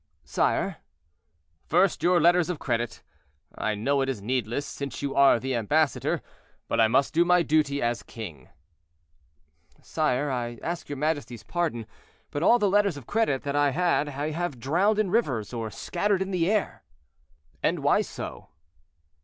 "Sire—" "First, your letters of credit. I know it is needless, since you are the ambassador: but I must do my duty as king." "Sire, I ask your majesty's pardon; but all the letters of credit that I had I have drowned in rivers, or scattered in the air." "And why so?"